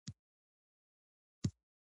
دا ټول کارګران د پانګوالو په ولکه کې پرېوتل